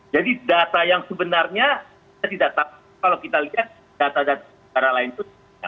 jadi data yang sebenarnya kalau kita lihat data data secara lain itu